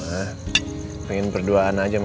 hari ini ricky percaya sama alasan gue